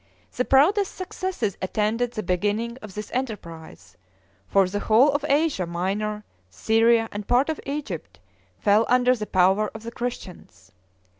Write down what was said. The proudest successes attended the beginning of this enterprise; for the whole of Asia Minor, Syria, and part of Egypt, fell under the power of the Christians.